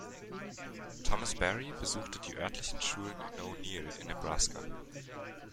Thomas Berry besuchte die örtlichen Schulen in O’Neal in Nebraska.